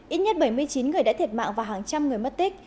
ít nhất bảy mươi chín người đã thiệt mạng và hàng trăm người mất tích